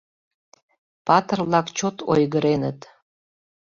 Патыр-влак чот ойгыреныт.